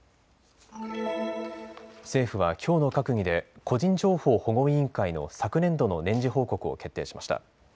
政府はきょうの閣議で個人情報保護委員会の昨年度の年次報告を決定しました。